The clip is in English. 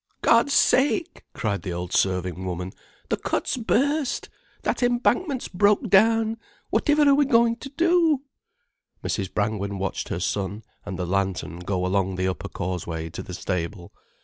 "God's sake!" cried the old serving woman. "The cut's burst. That embankment's broke down. Whativer are we goin' to do!" Mrs. Brangwen watched her son, and the lantern, go along the upper causeway to the stable.